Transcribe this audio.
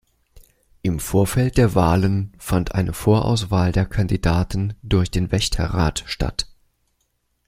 Im Vorfeld der Wahlen fand eine Vorauswahl der Kandidaten durch den Wächterrat statt.